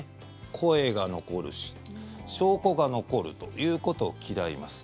声が残るし証拠が残るということを嫌います。